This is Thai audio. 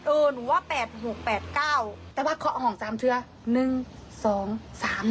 เออหนูว่าแปดหกแปดเก้าแต่ว่าข้อห่องจำเทือหนึ่งสองสาม